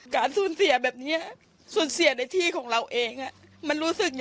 การสูญเสียแบบนี้สูญเสียในที่ของเราเองมันรู้สึกไง